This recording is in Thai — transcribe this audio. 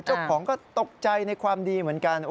เจ้าของก็ตกใจในความดีเหมือนกัน